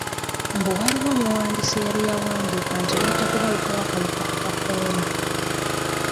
Mbu waliwo omuwandiisi eyali yawandiika nti wajja kubalukawo akawuka aka Corona.